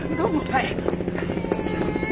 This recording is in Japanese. はい。